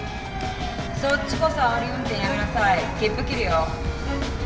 そっちこそあおり運転やめなさい切符切るよ。